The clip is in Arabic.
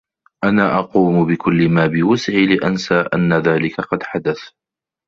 أنا أقوم بكل ما بوسعي لأنسى أنّ ذلك قد حدث.